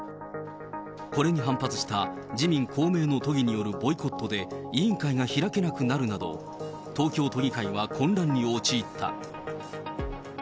これに反発した自民、公明の都議によるボイコットで委員会が開けなくなるなど、東京都議会は混乱に陥った。